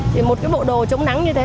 thì một cái bộ đồ chống nắng như thế